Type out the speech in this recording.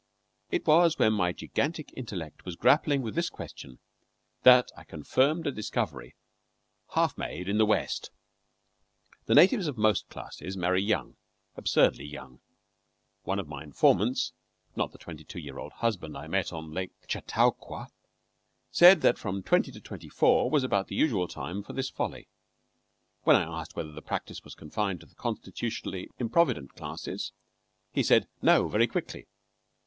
It was when my gigantic intellect was grappling with this question that I confirmed a discovery half made in the West. The natives of most classes marry young absurdly young. One of my informants not the twenty two year old husband I met on Lake Chautauqua said that from twenty to twenty four was about the usual time for this folly. And when I asked whether the practice was confined to the constitutionally improvident classes, he said "No" very quickly.